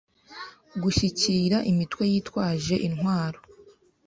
gushyigikira imitwe yitwaje intwaro